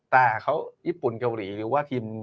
แต่เขาญี่ปุ่นเกาหลีหรือว่าทีม